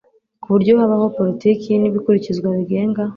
ku buryo habaho politiki n ibikurikizwa bigenga